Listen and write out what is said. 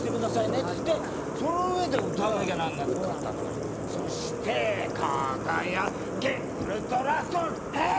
っつってその上で歌わなきゃなんなかったんだから「そして輝けウルトラソウル」ヘイ！